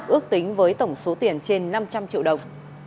ước tính với tổng số tiền trên năm trăm linh triệu đồng